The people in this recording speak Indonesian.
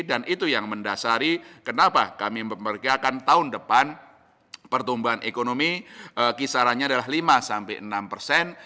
dan itu yang mendasari kenapa kami memperkirakan tahun depan pertumbuhan ekonomi kisarannya adalah lima enam persen